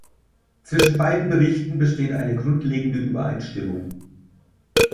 Zwischen beiden Berichten besteht eine grundlegende Übereinstimmung.